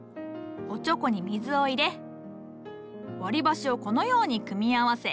おちょこに水を入れ割り箸をこのように組み合わせ。